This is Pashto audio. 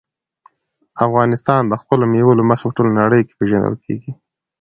افغانستان د خپلو مېوو له مخې په ټوله نړۍ کې پېژندل کېږي.